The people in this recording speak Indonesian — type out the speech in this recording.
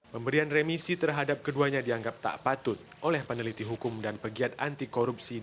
pemberian remisi terhadap keduanya dianggap tak patut oleh peneliti hukum dan pegiat anti korupsi